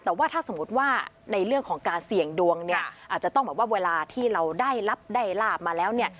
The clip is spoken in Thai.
แต่ว่าถ้าสมมุติว่าในเรื่องของการเสี่ยงดวงเนี่ยอาจจะต้องแบบว่าเวลาที่เราได้รับได้ลาบมาแล้วเนี่ย